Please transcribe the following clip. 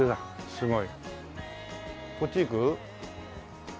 すごい。こっち行く？